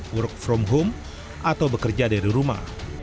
work from home atau bekerja dari rumah